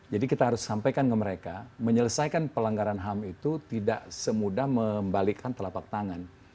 jadi kita harus sampaikan ke mereka menyelesaikan pelanggaran ham itu tidak semudah membalikkan telapak tangan